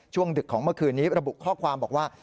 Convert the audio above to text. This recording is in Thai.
ดึกของเมื่อคืนนี้ระบุข้อความบอกว่า